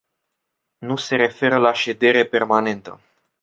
Nu se referă la ședere permanentă.